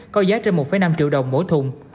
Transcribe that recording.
có giá trên một năm triệu đồng mỗi thùng